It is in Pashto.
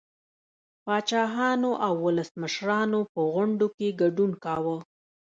پاچاهانو او ولسمشرانو په غونډو کې ګډون کاوه